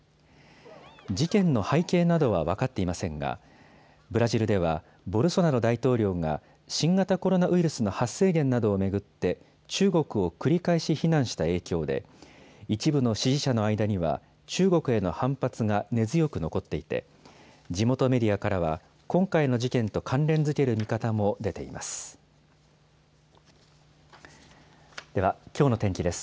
事件の背景などは分かっていませんが、ブラジルではボルソナロ大統領が新型コロナウイルスの発生源などを巡って、中国を繰り返し非難した影響で、一部の支持者の間には、中国への反発が根強く残っていて、地元メディアからは、今回の事件と関連づける見方も出ています。